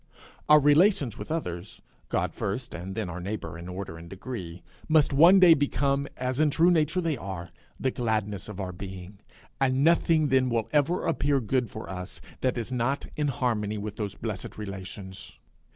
Our relations with others, God first and then our neighbour in order and degree, must one day become, as in true nature they are, the gladness of our being; and nothing then will ever appear good for us, that is not in harmony with those blessed relations.